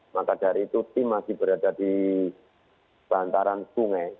maka dari itu tim masih berada di bantaran sungai